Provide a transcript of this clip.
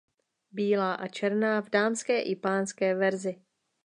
Bílá a černá v dámské i pánské verzi.